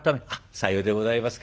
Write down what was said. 「さようでございますか。